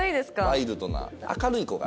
ワイルドな。